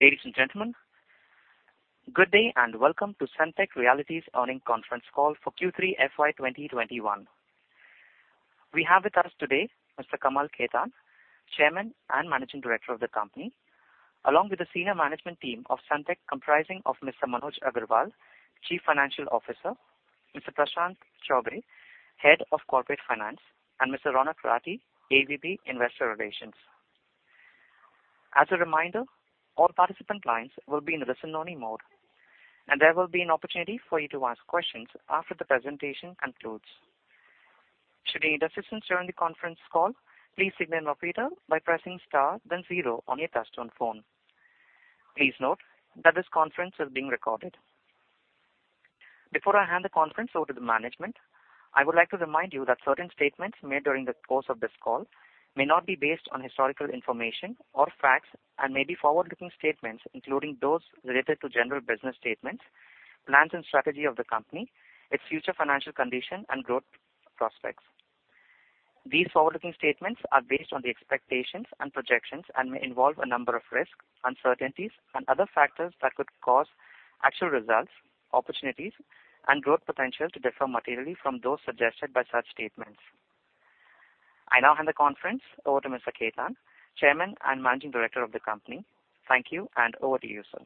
Ladies and gentlemen, good day, and welcome to Sunteck Realty's earning conference call for Q3 FY 2021. We have with us today, Mr. Kamal Khetan, Chairman and Managing Director of the company, along with the senior management team of Sunteck comprising of Mr. Manoj Agarwal, Chief Financial Officer, Mr. Prashant Chaubey, Head of Corporate Finance, and Mr. Ronak Rathi, AVP, Investor Relations. As a reminder, all participant lines will be in listen-only mode, and there will be an opportunity for you to ask questions after the presentation concludes. Should you need assistance during the conference call, please signal an operator by pressing star then zero on your touchtone phone. Please note that this conference is being recorded. Before I hand the conference over to the management, I would like to remind you that certain statements made during the course of this call may not be based on historical information or facts and may be forward-looking statements, including those related to general business statements, plans and strategy of the company, its future financial condition, and growth prospects. These forward-looking statements are based on the expectations and projections and may involve a number of risks, uncertainties, and other factors that could cause actual results, opportunities, and growth potential to differ materially from those suggested by such statements. I now hand the conference over to Mr. Khetan, Chairman and Managing Director of the company. Thank you, and over to you, sir.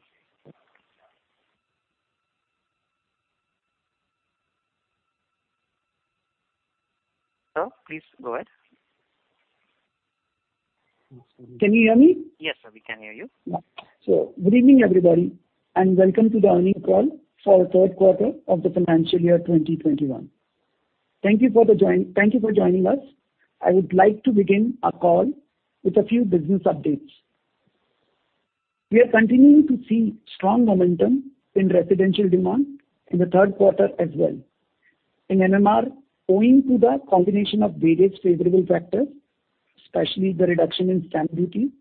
Sir, please go ahead. Can you hear me? Yes, sir. We can hear you. Good evening, everybody, and welcome to the earnings call for the third quarter of the financial year 2021. Thank you for joining us. I would like to begin our call with a few business updates. We are continuing to see strong momentum in residential demand in the third quarter as well. In MMR, owing to the combination of various favorable factors, especially the reduction in stamp duty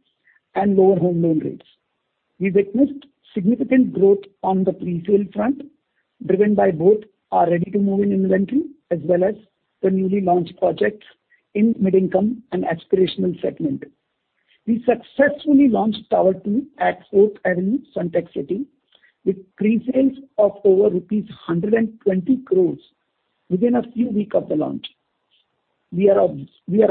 and lower home loan rates, we witnessed significant growth on the presale front, driven by both our ready-to-move-in inventory as well as the newly launched projects in mid-income and aspirational segment. We successfully launched Tower 2 at 4th Avenue, Sunteck City, with presales of over 120 crores within a few weeks of the launch. We are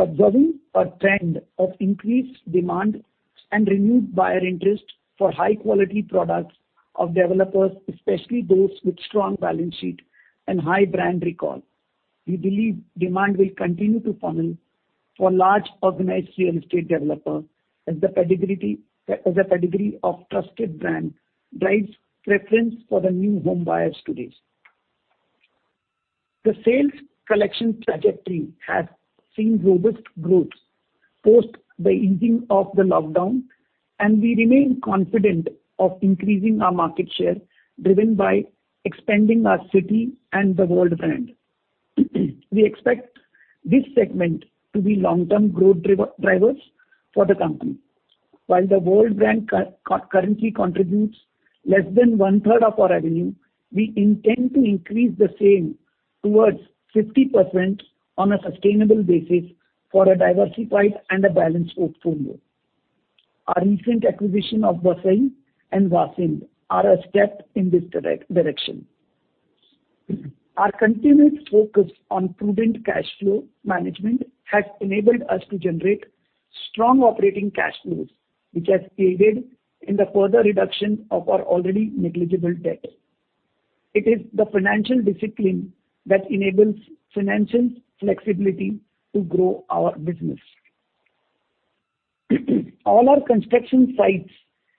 observing a trend of increased demand and renewed buyer interest for high-quality products of developers, especially those with strong balance sheet and high brand recall. We believe demand will continue to funnel for large organized real estate developers as the pedigree of trusted brand drives preference for the new home buyers today. The sales collection trajectory has seen robust growth post the easing of the lockdown, and we remain confident of increasing our market share, driven by expanding our City and the World brand. We expect this segment to be long-term growth drivers for the company. While the World brand currently contributes less than one-third of our revenue, we intend to increase the same towards 50% on a sustainable basis for a diversified and a balanced portfolio. Our recent acquisition of Vasai and Vasind are a step in this direction. Our continued focus on prudent cash flow management has enabled us to generate strong operating cash flows, which has aided in the further reduction of our already negligible debt. It is the financial discipline that enables financial flexibility to grow our business. All our construction sites,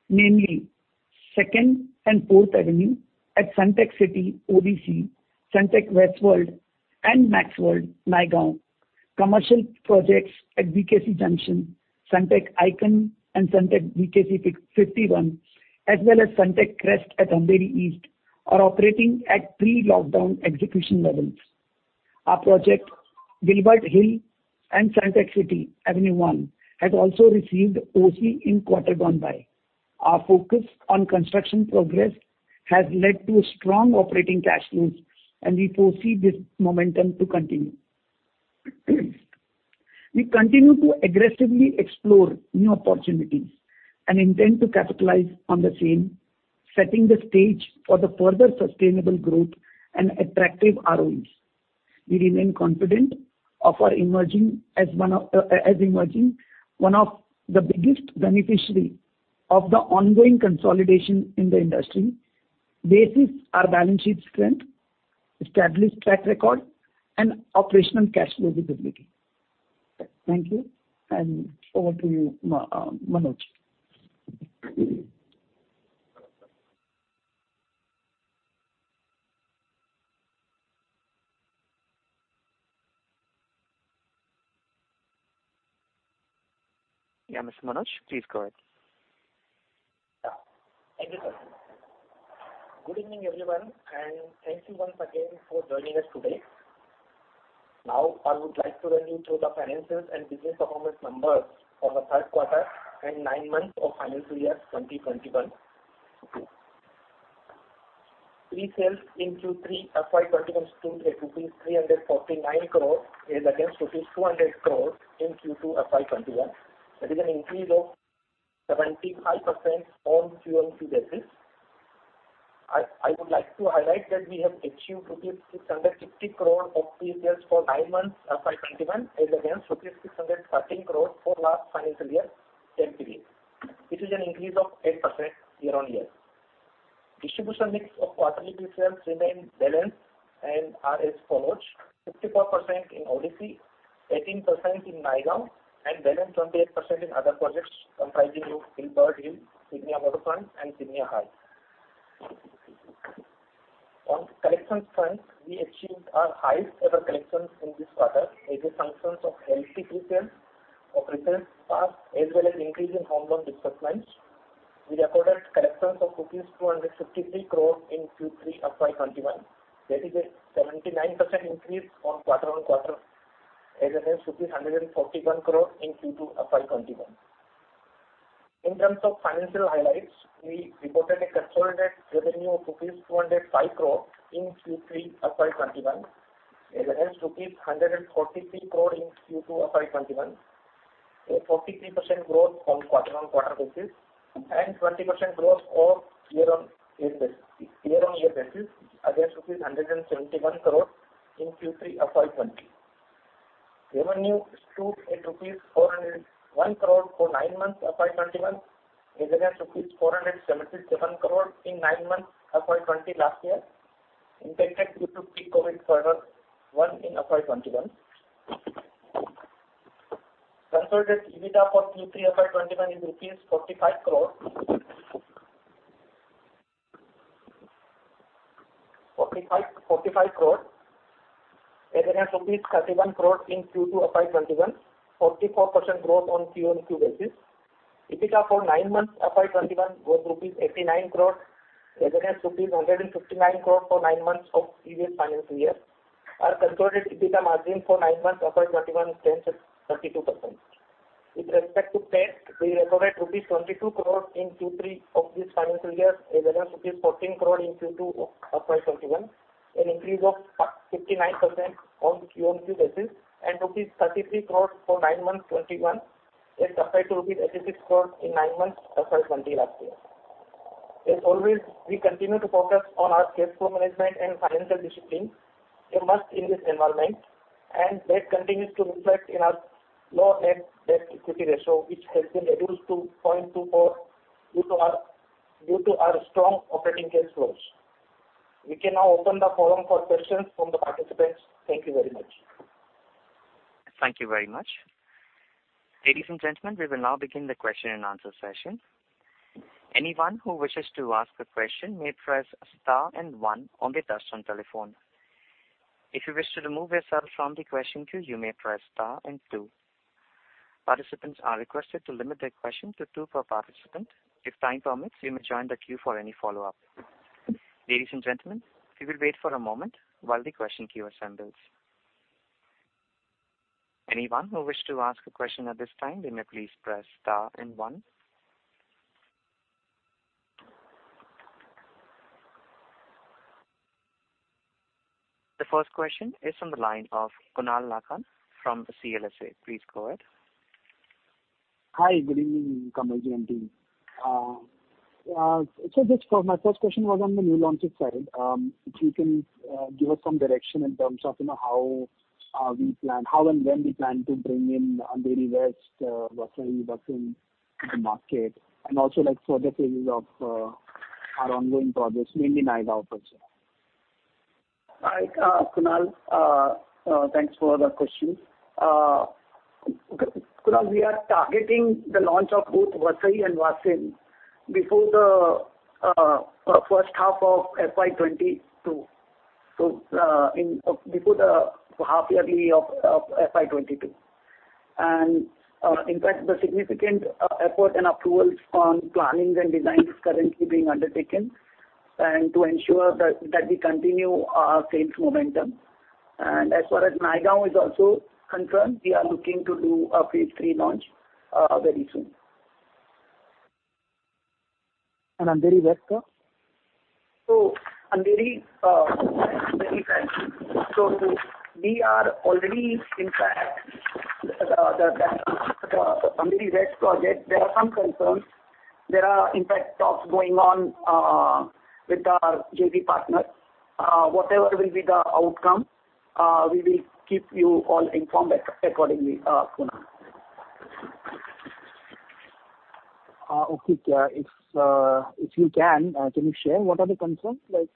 namely 2nd and 4th Avenue at Sunteck City, ODC, Sunteck WestWorld, and Sunteck MaxXWorld, Naigaon, commercial projects at BKC Junction, Sunteck Icon, and Sunteck BKC51, as well as Sunteck Crest at Andheri East, are operating at pre-lockdown execution levels. Our project, [Sunteck Gilbird] and Sunteck City Avenue One, has also received OC in quarter gone by. Our focus on construction progress has led to strong operating cash flows, and we foresee this momentum to continue. We continue to aggressively explore new opportunities and intend to capitalize on the same, setting the stage for the further sustainable growth and attractive ROEs. We remain confident as emerging one of the biggest beneficiary of the ongoing consolidation in the industry basis our balance sheet strength, established track record, and operational cash flow visibility. Thank you, and over to you, Manoj. Yeah, Mr. Manoj, please go ahead. Yeah. Thank you, sir. Good evening, everyone, and thank you once again for joining us today. I would like to run you through the finances and business performance numbers for the third quarter and nine months of FY 2021. Pre-sales in Q3 FY 2021 stood at INR 349 crores as against rupees 200 crores in Q2 FY 2021. That is an increase of 75% on QoQ basis. I would like to highlight that we have achieved rupees 660 crores of pre-sales for nine months FY 2021 as against rupees 613 crores for last financial year, FY 2020, which is an increase of 8% year-on-year. Distribution mix of quarterly pre-sales remain balanced and are as follows: 54% in ODC, 18% in Naigaon, and balanced 28% in other projects comprising of [Sunteck Gilbird], Signia Waterfront, and Signia High. On collections front, we achieved our highest ever collections in this quarter as a function of healthy pre-sales, a reserved park, as well as increase in home loan disbursements. We recorded collections of 253 crores in Q3 FY 2021. That is a 79% increase on quarter-on-quarter as against INR 141 crores in Q2 FY 2021. In terms of financial highlights, we reported a consolidated revenue of rupees 205 crores in Q3 FY 2021 as against rupees 143 crores in Q2 FY 2021, a 43% growth from quarter-on-quarter basis, and 20% growth on year-on-year basis against INR 171 crores in Q3 FY 2020. Revenue stood at INR 401 crores for nine months FY 2021 as against rupees 477 crores in nine months FY 2020 last year, impacted due to pre-COVID quarter one in FY 2021. Consolidated EBITA for Q3 FY 2021 is INR 45 crores as against rupees 31 crores in Q2 FY 2021, 44% growth on QoQ basis. EBITA for nine months FY 2021 was rupees 89 crores as against rupees 159 crores for nine months of previous financial year. Our consolidated EBITA margin for nine months FY 2021 stands at 32%. With respect to tax, we recorded rupees 22 crores in Q3 of this financial year as against rupees 14 crores in Q2 FY 2021, an increase of 59% on QoQ basis, and rupees 33 crores for nine months FY 2021 as opposed to rupees 86 crores in nine months FY 2020 last year. As always, we continue to focus on our cash flow management and financial discipline, a must in this environment, and that continues to reflect in our low net debt equity ratio, which has been reduced to 0.24 due to our strong operating cash flows. We can now open the forum for questions from the participants. Thank you very much. Thank you very much. Ladies and gentlemen, we will now begin the question-and-answer session. Anyone who wishes to ask a question may press star and one on their touch-tone telephone. If you wish to remove yourself from the question queue, you may press star and two. Participants are requested to limit their question to two per participant. If time permits, you may join the queue for any follow-up. Ladies and gentlemen, we will wait for a moment while the question queue assembles. Anyone who wish to ask a question at this time, you may please press star and one. The first question is from the line of Kunal Lakhan from the CLSA. Please go ahead. Hi, good evening, Kamalji and team. Just my first question was on the new launches side. If you can give us some direction in terms of how and when we plan to bring in Andheri West, Vasai, Vasind to the market, and also like further phases of our ongoing projects, mainly Naigaon also. Hi, Kunal. Thanks for the question. Kunal, we are targeting the launch of both Vasai and Vasind before the first half of FY 2022. Before the half yearly of FY 2022. In fact, the significant effort and approvals on plannings and designs currently being undertaken and to ensure that we continue our sales momentum. As far as Naigaon is also concerned, we are looking to do a phase 3 launch very soon. Andheri West? Andheri, very fact, we are already in fact, the Andheri West project, there are some concerns. There are in fact talks going on with our JV partner. Whatever will be the outcome, we will keep you all informed accordingly, Kunal. Okay. If you can you share what are the concerns like?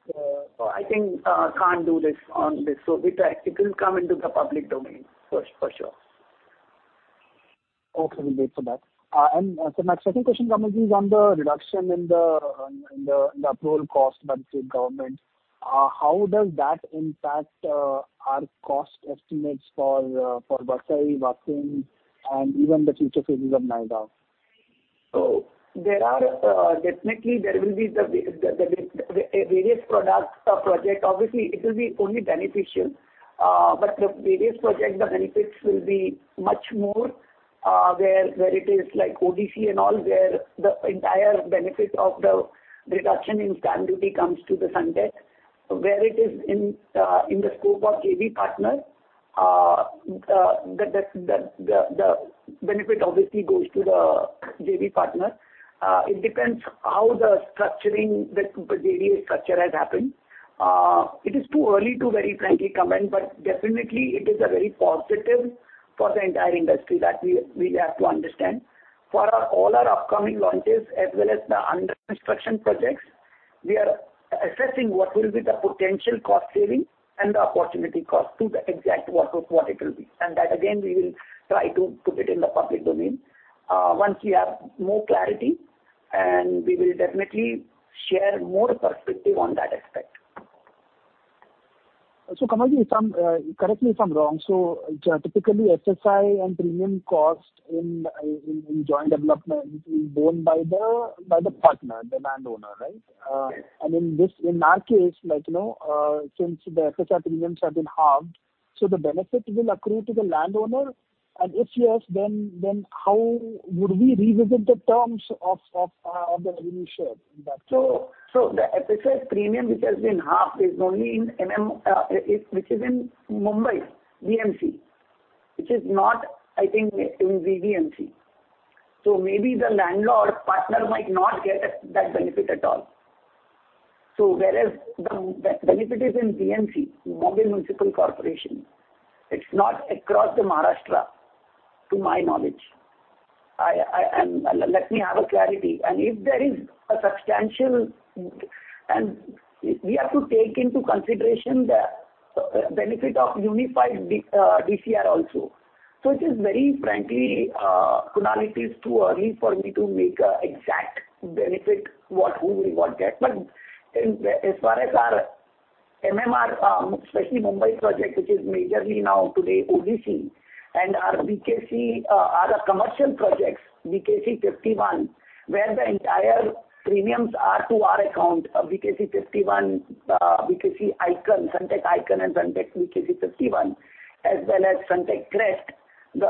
I think I can't do this on this. It will come into the public domain, for sure. Okay. We'll wait for that. My second question, Kamalji, is on the reduction in the approval cost by the state government. How does that impact our cost estimates for Vasai, Vasind, and even the future phases of Naigaon? Definitely there will be the various products or project. Obviously, it will be only beneficial. The various project, the benefits will be much more. Where it is like ODC and all, where the entire benefit of the reduction in stamp duty comes to Sunteck. Where it is in the scope of JV partner, the benefit obviously goes to the JV partner. It depends how the JVA structure has happened. It is too early to very frankly comment, but definitely it is a very positive for the entire industry that we have to understand. For all our upcoming launches, as well as the under-construction projects, we are assessing what will be the potential cost saving and the opportunity cost to the exact, what it will be. That again, we will try to put it in the public domain. Once we have more clarity, we will definitely share more perspective on that aspect. Kamalji, correct me if I'm wrong. Typically, SSI and premium cost in joint development is borne by the partner, the landowner, right? Yes. In our case, since the SSI premiums have been halved, the benefit will accrue to the landowner? If yes, then how would we revisit the terms of the revenue share in that? The SSI premium which has been halved, is only which is in Mumbai, BMC. Which is not, I think, in BDMC. Maybe the landlord partner might not get that benefit at all. Whereas the benefit is in BMC, Mumbai Municipal Corporation. It's not across the Maharashtra, to my knowledge. Let me have a clarity. We have to take into consideration the benefit of unified DCR also. It is very frankly, Kunal, it is too early for me to make an exact benefit who will what get. As far as our MMR, especially Mumbai project, which is majorly now today ODC, and our BKC, other commercial projects, BKC51, where the entire premiums are to our account. Sunteck Icon and Sunteck BKC51, as well as Sunteck Crest,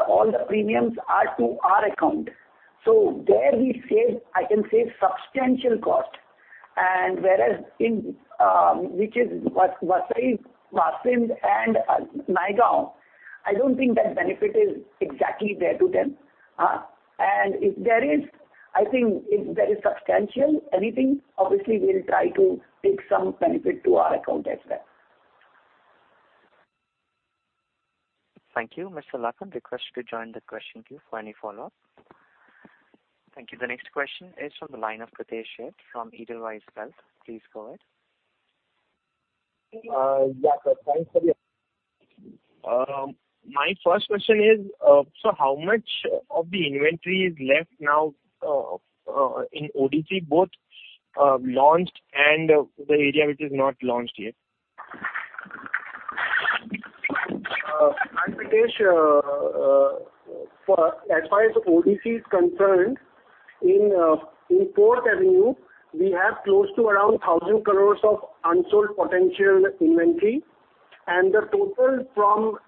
all the premiums are to our account. There I can save substantial cost. Whereas which is Vasai, Vasind, and Naigaon, I don't think that benefit is exactly there to them. If there is substantial anything, obviously we'll try to take some benefit to our account as well. Thank you. Mr. Lakha, request you to join the question queue for any follow-up. Thank you. The next question is from the line of Pritesh Sheth from Edelweiss Wealth. Please go ahead. Yeah, sure. My first question is, how much of the inventory is left now in ODC, both launched and the area which is not launched yet? Hi, Pritesh. As far as ODC is concerned, in 4th Avenue, we have close to around 1,000 crores of unsold potential inventory. The total from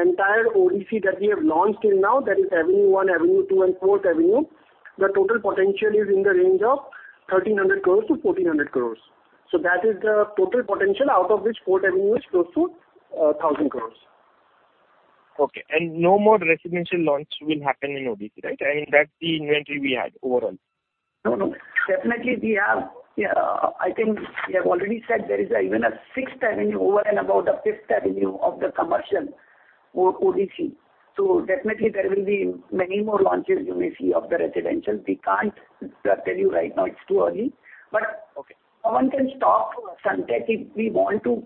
entire ODC that we have launched till now, that is Avenue One, Avenue Two, and 4th Avenue, the total potential is in the range of 1,300 crores-1,400 crores. That is the total potential, out of which 4th Avenue is close to 1,000 crores. Okay. No more residential launch will happen in ODC, right? I mean, that's the inventory we had overall. No, no. Definitely, we have. I think we have already said there is even a 6th Avenue over and above the 5th Avenue of the commercial ODC. Definitely there will be many more launches you may see of the residential. We can't tell you right now, it's too early. Okay. No one can stop Sunteck if we want to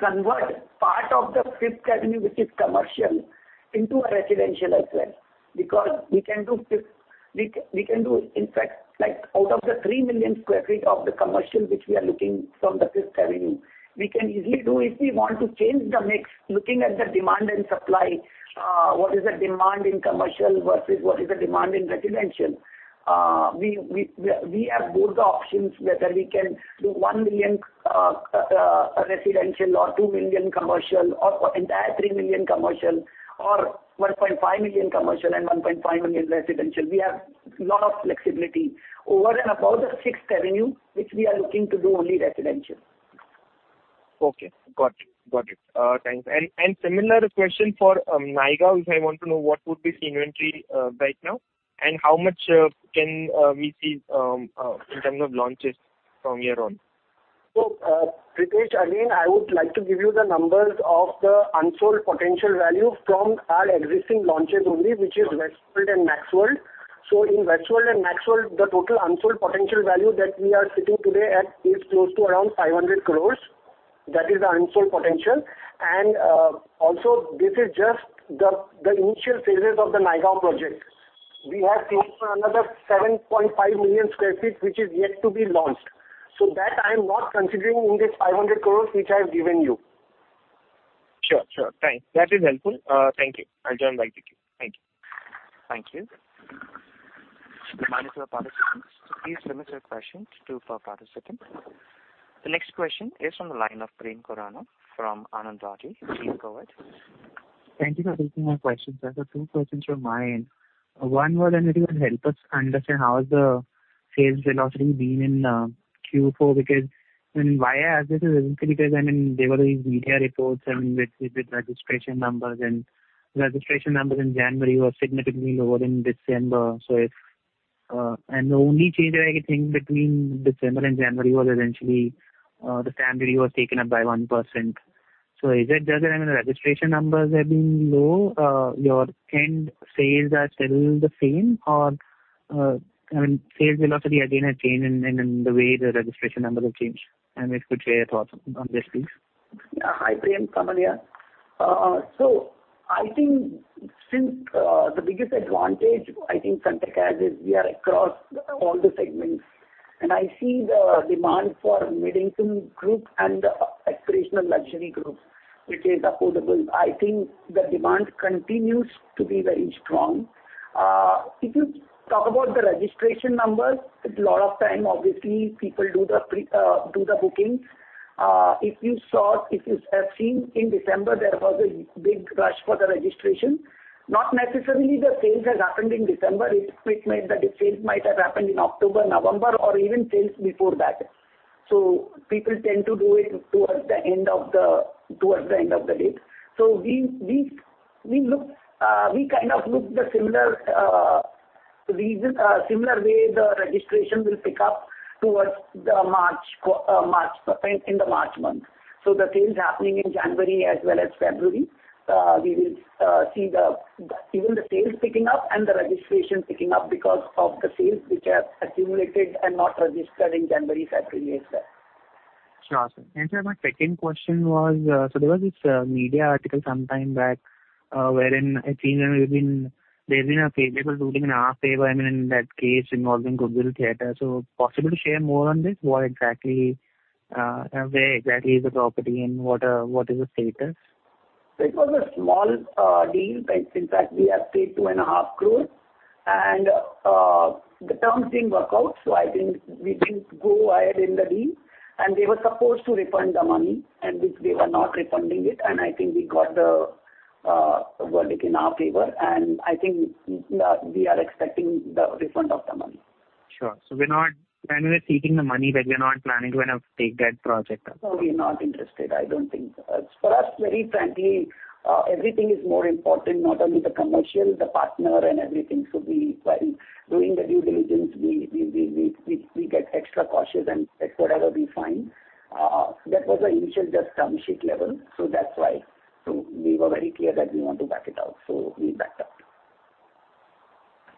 convert part of the 5th Avenue, which is commercial, into a residential as well. We can do, in fact, out of the 3 million square feet of the commercial which we are looking from the 5th Avenue, we can easily do if we want to change the mix, looking at the demand and supply, what is the demand in commercial versus what is the demand in residential. We have both the options, whether we can do 1 million residential or 2 million commercial, or entire 3 million commercial, or 1.5 million commercial and 1.5 million residential. We have lot of flexibility. Over and above the 6th Avenue, which we are looking to do only residential. Okay, got it. Thanks. Similar question for Naigaon, if I want to know what would be the inventory right now, and how much can we see in terms of launches from here on? Pritesh, again, I would like to give you the numbers of the unsold potential value from our existing launches only, which is Sunteck WestWorld and Sunteck MaxXWorld. In Sunteck WestWorld and Sunteck MaxXWorld, the total unsold potential value that we are sitting today at is close to around 500 crore. That is the unsold potential. This is just the initial phases of the Naigaon project. We have close to another 7.5 million sq ft, which is yet to be launched. That I'm not considering in this 500 crore which I've given you. Sure. Thanks. That is helpful. Thank you. I'll join back the queue. Thank you. Thank you. The line is now participants. Please limit your questions to per participant. The next question is from the line of Prem Khurana from Anand Rathi. Please go ahead. Thank you for taking my questions. I've got two questions from my end. One was, if you could help us understand how the sales velocity been in Q4, because why I ask this is because there were these media reports with registration numbers, and registration numbers in January were significantly lower than December. The only change I could think between December and January was essentially the stamp duty was taken up by 1%. Does that mean the registration numbers have been low, your end sales are still the same, or sales velocity again has changed in the way the registration numbers have changed? If you could share your thoughts on this, please. Hi, Prem. Kamal here. Since the biggest advantage Sunteck has is we are across all the segments, I see the demand for mid-income group and the aspirational luxury group, which is affordable. The demand continues to be very strong. If you talk about the registration numbers, a lot of time, obviously, people do the bookings. If you have seen in December, there was a big rush for the registration. Not necessarily the sales has happened in December. It might meant that the sales might have happened in October, November, or even sales before that. People tend to do it towards the end of the date. We look the similar way the registration will pick up towards in the March month. The sales happening in January as well as February, we will see even the sales picking up and the registration picking up because of the sales which have accumulated and not registered in January, February as well. Sure. Sir, my second question was, there was this media article sometime back, wherein I think there's been a favorable ruling in our favor, in that case involving Goodwill Theatres. Possible to share more on this, where exactly is the property and what is the status? It was a small deal. In fact, we have paid 2.5 crores. The terms didn't work out. I think we didn't go ahead in the deal. They were supposed to refund the money. Which they were not refunding it. I think we got the verdict in our favor. I think we are expecting the refund of the money. Sure. We're not planning on taking the money back. We're not planning to take that project up. No, we're not interested. I don't think so. For us, very frankly, everything is more important, not only the commercial, the partner and everything. While doing the due diligence, we get extra cautious and whatever we find. That was the initial just term sheet level. That's why we were very clear that we want to back it out. We backed out.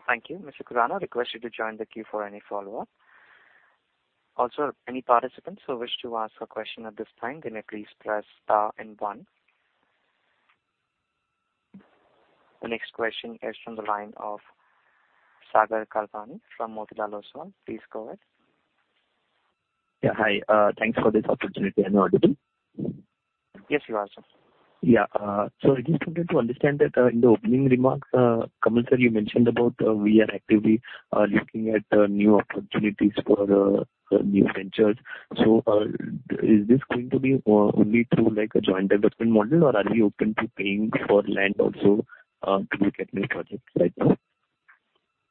Thank you. Mr. Khurana, I request you to join the queue for any follow-up. Any participants who wish to ask a question at this time, then at least press star and one. The next question is from the line of [Sagar Kalpani] from Motilal Oswal. Please go ahead. Yeah. Hi. Thanks for this opportunity. Am I audible? Yes, you are, sir. Yeah. I just wanted to understand that in the opening remarks, Kamal sir, you mentioned about we are actively looking at new opportunities for new ventures. Is this going to be only through a joint investment model, or are you open to paying for land also to look at new projects right now?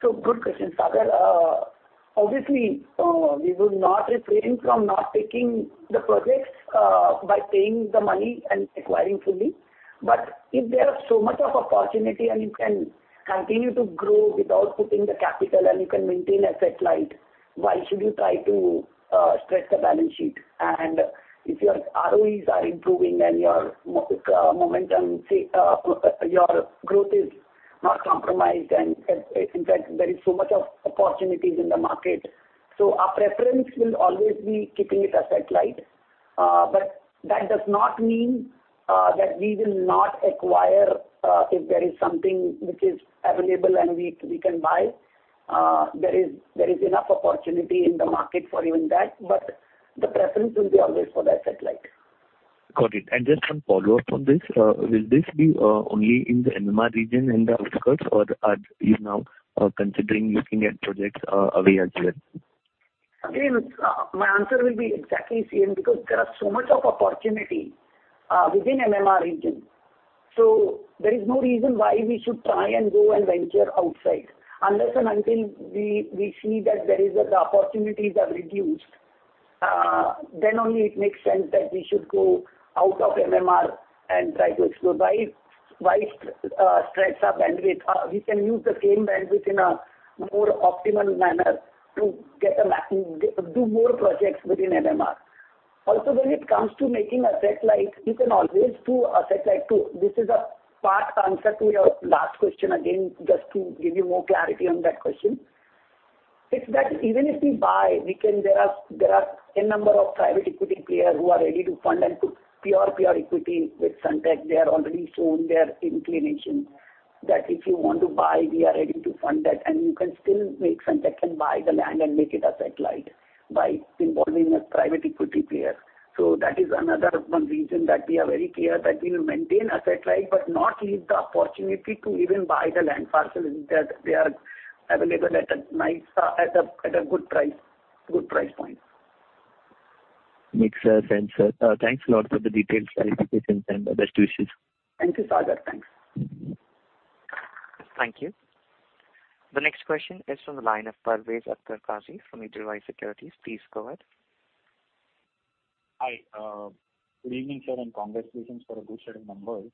Good question, Sagar. Obviously, we will not refrain from not taking the projects by paying the money and acquiring fully. If there are so much of opportunity and you can continue to grow without putting the capital and you can maintain asset light, why should you try to stretch the balance sheet? If your ROE are improving and your growth is not compromised, and in fact, there is so much of opportunities in the market. Our preference will always be keeping it asset light. That does not mean that we will not acquire if there is something which is available and we can buy. There is enough opportunity in the market for even that, but the preference will be always for the asset light. Got it. Just one follow-up on this. Will this be only in the MMR region, in the outskirts, or are you now considering looking at projects away as well? Again, my answer will be exactly same because there are so much of opportunity within MMR region. There is no reason why we should try and go and venture outside. Unless and until we see that the opportunities are reduced, then only it makes sense that we should go out of MMR and try to explore. Why stretch our bandwidth? We can use the same bandwidth in a more optimal manner to do more projects within MMR. Also, when it comes to making asset-light, you can always do asset-light too. This is a part answer to your last question again, just to give you more clarity on that question. It's that even if we buy, there are a number of private equity players who are ready to fund and put pure equity with Sunteck. They have already shown their inclination that if you want to buy, we are ready to fund that, and you can still make Sunteck and buy the land and make it asset light by involving a private equity player. That is another one reason that we are very clear that we will maintain asset light but not leave the opportunity to even buy the land parcel if they are available at a good price point. Makes sense, sir. Thanks a lot for the detailed clarifications and best wishes. Thank you, Sagar. Thanks. Thank you. The next question is from the line of Parvez Akhtar Qazi from Edelweiss Securities. Please go ahead. Hi. Good evening, sir, and congratulations for a good set of numbers.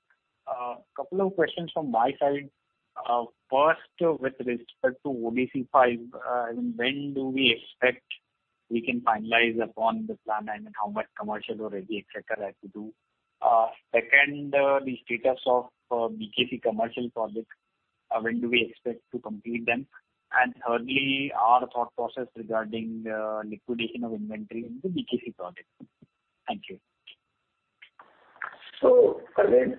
A couple of questions from my side. First, with respect to ODC Five, when do we expect we can finalize upon the plan and how much commercial or REIT et cetera has to do? Second, the status of BKC commercial projects? When do we expect to complete them? Thirdly, your thought process regarding liquidation of inventory in the BKC project? Thank you. Parvez,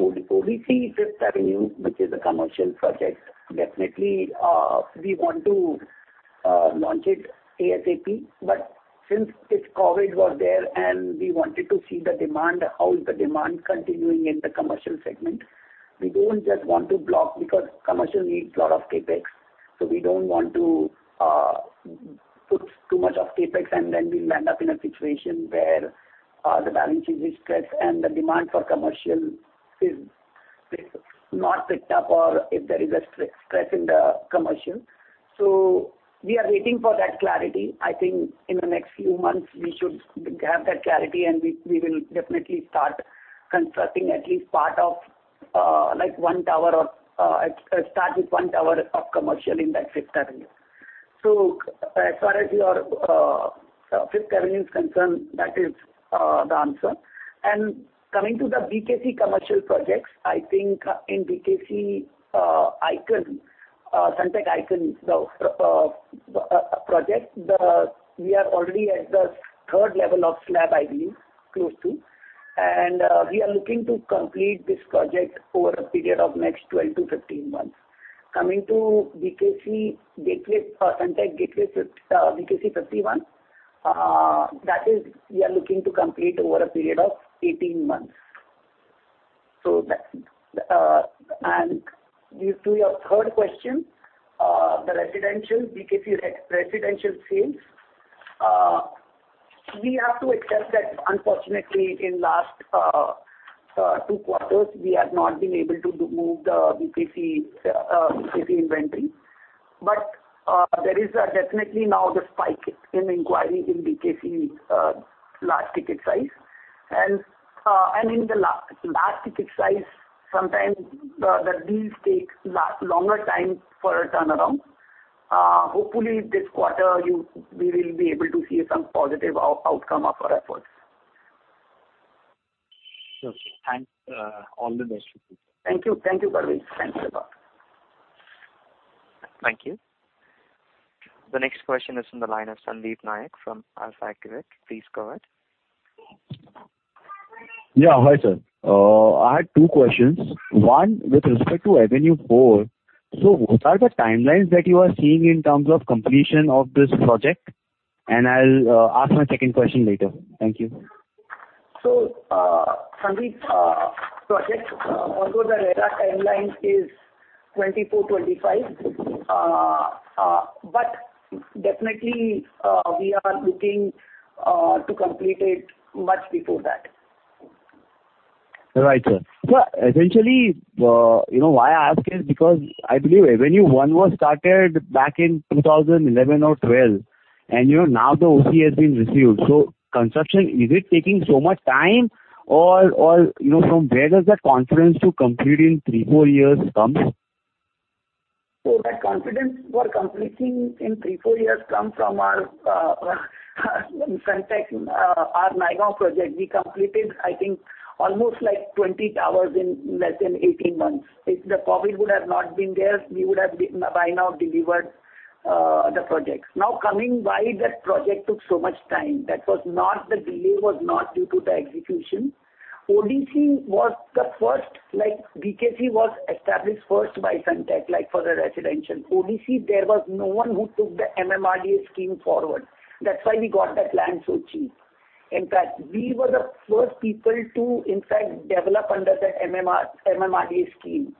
ODC 5th Avenue, which is a commercial project. Definitely, we want to launch it ASAP. Since COVID was there and we wanted to see the demand, how is the demand continuing in the commercial segment. We don't just want to block because commercial needs a lot of CapEx. We don't want to put too much of CapEx and then we land up in a situation where the balance sheet is stressed and the demand for commercial is not picked up or if there is a stress in the commercial. We are waiting for that clarity. I think in the next few months, we should have that clarity, and we will definitely start constructing at least part of one tower of commercial in that 5th Avenue. As far as your 5th Avenue is concerned, that is the answer. Coming to the BKC commercial projects, I think in BKC Sunteck Icon project, we are already at the third level of slab, I believe, close to. We are looking to complete this project over a period of the next 12-15 months. To your third question, the BKC residential sales. We have to accept that unfortunately in the last two quarters, we have not been able to move the BKC inventory. There is definitely now the spike in inquiry in BKC large ticket size. In the large ticket size, sometimes the deals take longer time for a turnaround. Hopefully this quarter, we will be able to see some positive outcome of our efforts. Sure, sir. Thanks. All the best to you, sir. Thank you, Parvez. Thanks a lot. Thank you. The next question is from the line of Sandeep Naik from General Atlantic. Please go ahead. Yeah. Hi, sir. I had two questions. One with respect to Avenue Four. What are the timelines that you are seeing in terms of completion of this project? I'll ask my second question later. Thank you. Sandeep, project, although the RERA timeline is 2024, 2025, definitely, we are looking to complete it much before that. Right, sir. Essentially, why I ask is because I believe Avenue One was started back in 2011 or 2012, and now the OC has been received. Construction, is it taking so much time or from where does that confidence to complete in three, four years come? That confidence for completing in three, four years comes from our Sunteck, our Naigaon project. We completed, I think almost 20 towers in less than 18 months. If the COVID would have not been there, we would have by now delivered the project. Now coming why that project took so much time. The delay was not due to the execution. ODC was the first. BKC was established first by Sunteck, like for the residential. ODC, there was no one who took the MMRDA scheme forward. That's why we got the land so cheap. In fact, we were the first people to, in fact, develop under the MMRDA scheme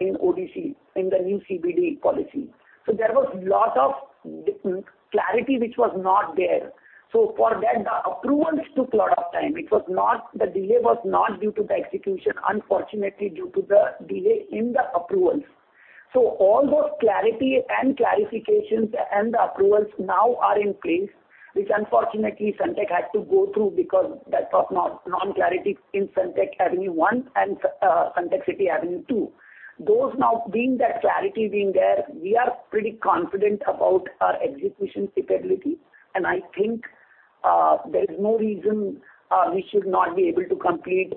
in ODC in the new CBD policy. There was lot of clarity which was not there. For that, the approvals took a lot of time. The delay was not due to the execution, unfortunately, due to the delay in the approvals. All those clarity and clarifications and the approvals now are in place, which unfortunately Sunteck had to go through because that was non-clarity in Sunteck Avenue One and Sunteck City Avenue Two. Those now being that clarity being there, we are pretty confident about our execution capability, and I think there is no reason we should not be able to complete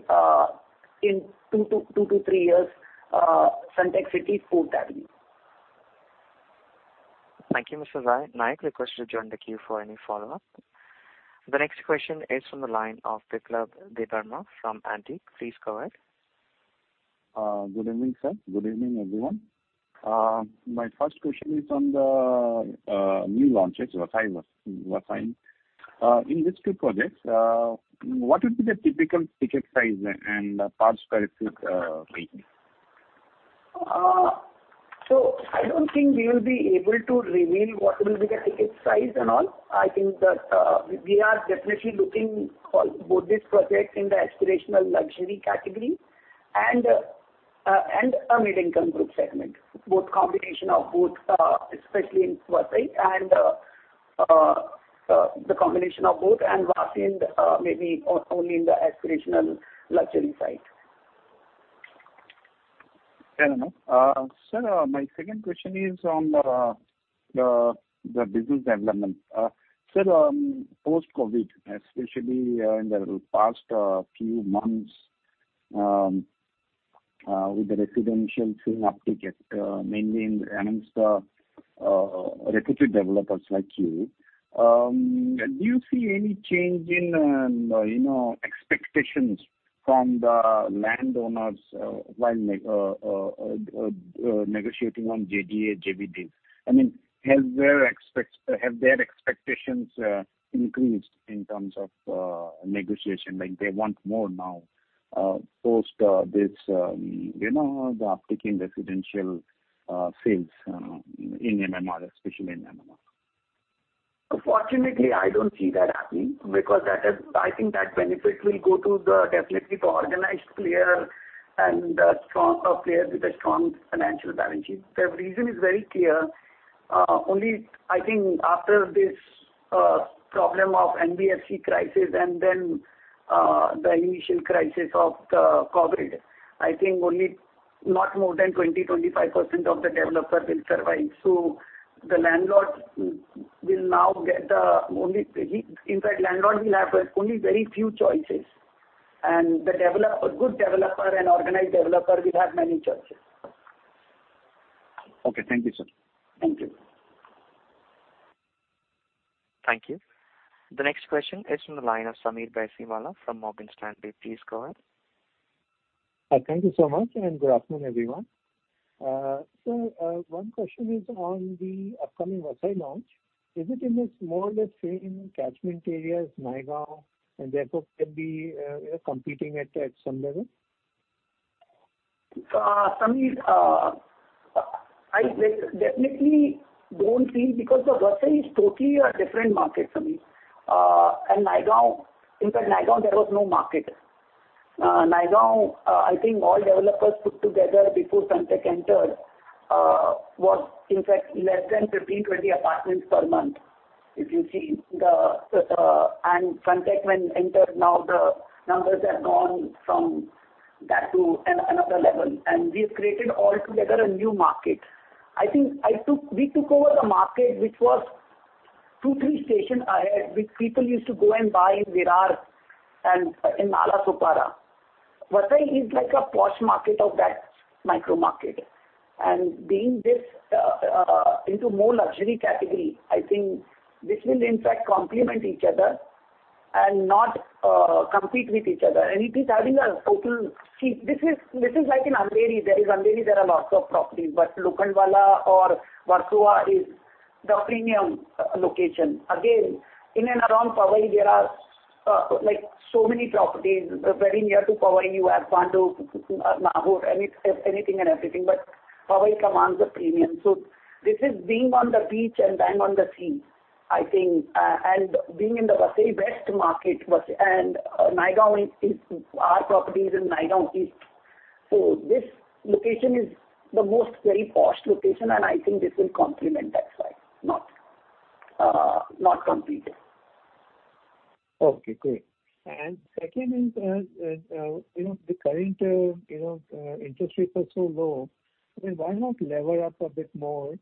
in two to three years Sunteck City 4th Avenue. Thank you, Mr. Naik. Request to join the queue for any follow-up. The next question is from the line of Biplab Debbarma from Antique. Please go ahead. Good evening, sir. Good evening, everyone. My first question is on the new launches, Vasai. In these two projects, what would be the typical ticket size and price per feet range? I don't think we will be able to reveal what will be the ticket size and all. I think that we are definitely looking for both this project in the aspirational luxury category and a mid-income group segment, combination of both, especially in Vasai, and Vasai maybe only in the aspirational luxury side. Fair enough. Sir, my second question is on the business development. Sir, post-COVID, especially in the past few months, with the residential scene uptick mainly amongst reputed developers like you, do you see any change in expectations from the landowners while negotiating on JDA, JVs? I mean, have their expectations increased in terms of negotiation? Like they want more now post this uptick in residential sales, especially in MMR. Fortunately, I don't see that happening because I think that benefit will go to definitely the organized player and a player with a strong financial balance sheet. The reason is very clear. I think after this problem of NBFC crisis and then the initial crisis of the COVID, I think only not more than 20%, 25% of the developers will survive. In fact, landlord will have only very few choices, and the good developer and organized developer will have many choices. Okay. Thank you, sir. Thank you. Thank you. The next question is from the line of Sameer Baisiwala from Morgan Stanley. Please go ahead. Thank you so much. Good afternoon, everyone. Sir, one question is on the upcoming Vasai launch. Is it in this more or less same catchment area as Naigaon, and therefore can be competing at some level? Sameer, I definitely don't think because Vasai is totally a different market, Sameer, and Naigaon, in fact, Naigaon there was no market. Naigaon, I think all developers put together before Sunteck entered, was in fact less than 15, 20 apartments per month. If you see, Sunteck when entered now the numbers have gone from that to another level. We've created altogether a new market. I think we took over a market which was two, three stations ahead, which people used to go and buy in Virar and in Nalasopara. Vasai is like a posh market of that micro-market. Being this into more luxury category, I think this will in fact complement each other and not compete with each other. It is having a total. See, this is like in Andheri. There is Andheri, there are lots of properties, but Lokhandwala or Versova is the premium location. In and around Powai, there are so many properties very near to Powai. You have Bhandup, Nahur, anything and everything, but Powai commands a premium. This is being on the beach and bang on the sea, I think, and being in the Vasai West market, and our property is in Naigaon East. This location is the most very posh location, and I think this will complement that side, not compete it. Okay, great. Second is, the current interest rates are so low. I mean, why not lever up a bit more,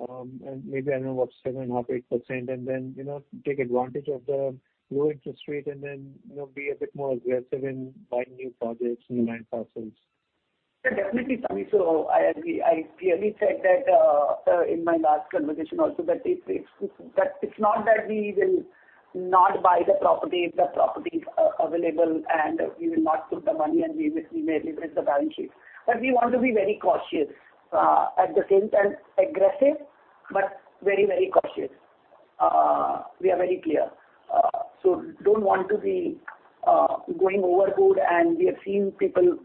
and maybe I don't know, what, 7.5%, 8%, and then take advantage of the low interest rate and then be a bit more aggressive in buying new projects, new land parcels? Yeah, definitely, Sameer. I clearly said that in my last conversation also that it's not that we will not buy the property if the property is available, and we will not put the money, and we may revisit the balance sheet. We want to be very cautious. At the same time, aggressive, but very cautious. We are very clear. Don't want to be going overboard, and we have seen people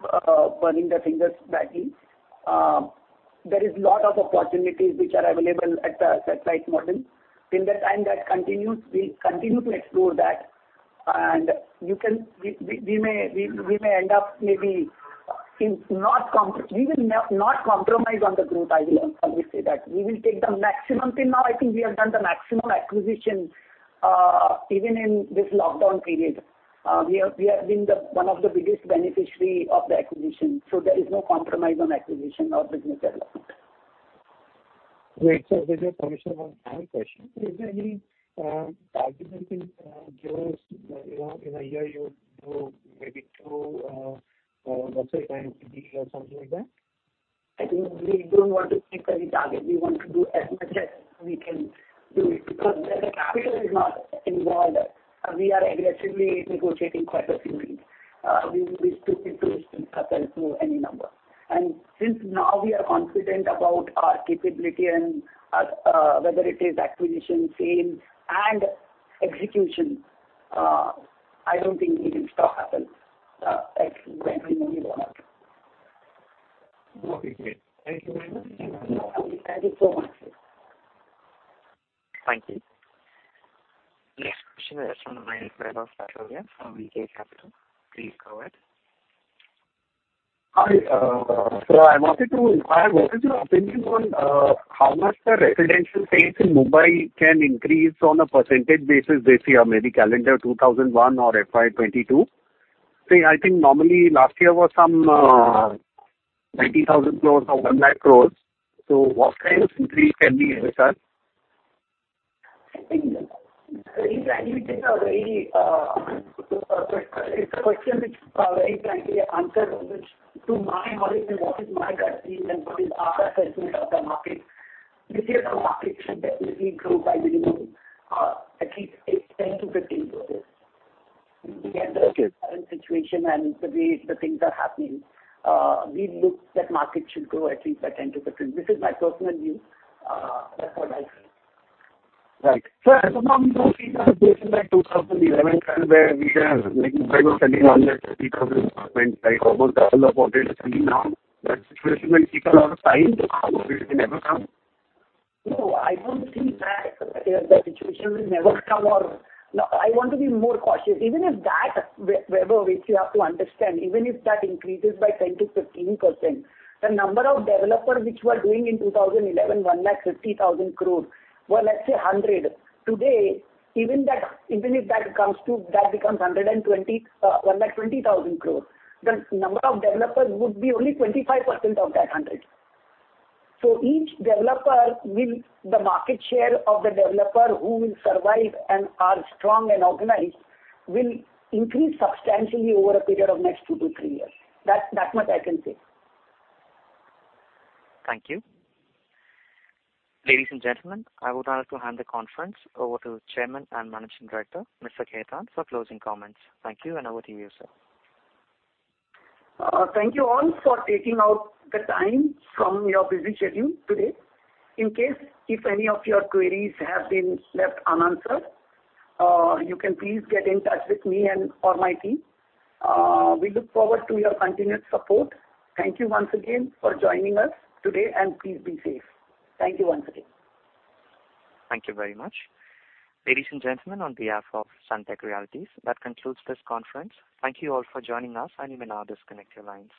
burning their fingers badly. There is lot of opportunities which are available at the right model. Till the time that continues, we'll continue to explore that, and we will not compromise on the growth, I will always say that. We will take the maximum. Till now, I think we have done the maximum acquisition, even in this lockdown period. We have been one of the biggest beneficiary of the acquisition, so there is no compromise on acquisition or business development. Great. Sir, with your permission, one more question. Is there any target you can give us? In a year, you do maybe two Vasai kind of deals or something like that? I think we don't want to fix any target. We want to do as much as we can do it. Where the capital is not involved, we are aggressively negotiating quite a few deals. We still keep those things under any number. Since now we are confident about our capability and whether it is acquisition, sale, and execution, I don't think it will stop happening, like when we move on. Okay, great. Thank you very much. Thank you so much. Thank you. Next question is from [Praveen Prabakaratna] from VK Capital. Please go ahead. Hi. I wanted your opinion on how much the residential rates in Mumbai can increase on a percentage basis this year, maybe calendar 2001 or FY 2022. I think normally last year was some 90,000 crores or 100,000 crores. What kind of increase can we research? I think very frankly that it's a question which very frankly, answer which to my knowledge and what is my gut feel and what is our assessment of the market, this year the market should definitely grow by minimum at least 10%-15%. Given the current situation and the way, the things are happening, we look that market should grow at least by 10%-15%. This is my personal view. That's what I feel. Right. As of now, we don't see the situation like 2011 where we had like 150,000 apartments, like almost double of what it is running now. That situation might take a lot of time to come, or it may never come. No, I don't think that the situation will never come. I want to be more cautious. Even if that, Praveen, which you have to understand, even if that increases by 10%-15%, the number of developers which were doing in 2011 150,000 crore were, let's say, 100. Today, even if that becomes 120,000 crore, the number of developers would be only 25% of that 100. The market share of the developer who will survive and are strong and organized will increase substantially over a period of next two to three years. That much I can say. Thank you. Ladies and gentlemen, I would like to hand the conference over to the Chairman and Managing Director, Mr. Khetan, for closing comments. Thank you, and over to you, sir. Thank you all for taking out the time from your busy schedule today. In case if any of your queries have been left unanswered, you can please get in touch with me or my team. We look forward to your continued support. Thank you once again for joining us today, and please be safe. Thank you once again. Thank you very much. Ladies and gentlemen, on behalf of Sunteck Realty, that concludes this conference. Thank you all for joining us, and you may now disconnect your lines.